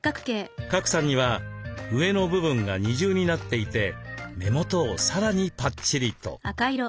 賀来さんには上の部分が二重になっていて目元をさらにぱっちりと。